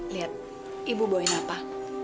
lihat ibu bawain apa